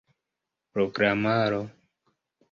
programaro